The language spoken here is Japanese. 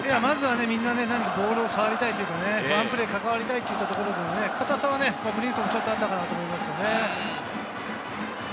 まずはみんなボールを触りたいというか、ワンプレー関わりたいというところで、硬さがブリンソンにもちょっとあったかなと思います。